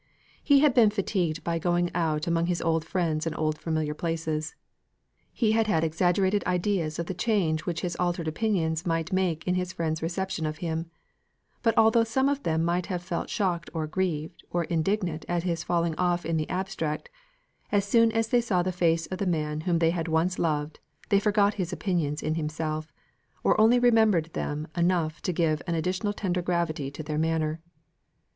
He had been fatigued by going about among his old friends and old familiar places. He had had exaggerated ideas of the change which his altered opinions might make in his friends' reception of him; but although some of them might have felt shocked or grieved, or indignant at his falling off in the abstract, as soon as they saw the face of the man whom they had once loved, they forgot his opinions in himself; or only remembered them enough to give an additional tender gravity to their manner.